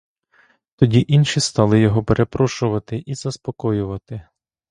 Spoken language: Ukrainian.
Тоді інші стали його перепрошувати і заспокоювати.